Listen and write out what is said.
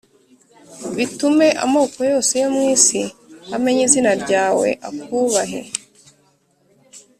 bitume amoko yose yo mu isi amenya izina ryawe, akubahe,